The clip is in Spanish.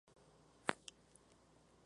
Consagró su vida al ideal pacifista.